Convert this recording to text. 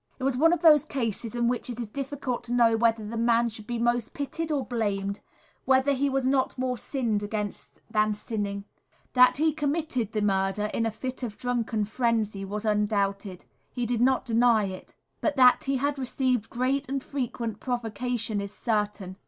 It was one of those cases in which it is difficult to know whether the man should be most pitied or blamed, whether he was not more sinned against than sinning. That he committed the murder, in a fit of drunken frenzy, was undoubted he did not deny it; but that he had received great and frequent provocation is certain.